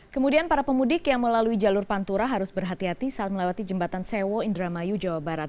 kemudian para pemudik yang melalui jalur pantura harus berhati hati saat melewati jembatan sewo indramayu jawa barat